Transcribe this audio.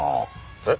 えっ？